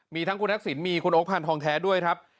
มีทั้งคุณทักษิณมีคุณโอ๊คพันธองแท้ด้วยครับ